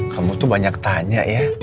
kamu tuh banyak tanya ya